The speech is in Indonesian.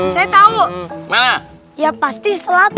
saya tahu ya pasti